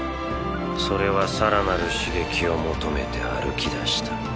それは更なる刺激を求めて歩き出した。